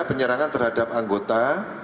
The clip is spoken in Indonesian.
penyerangan terhadap anggota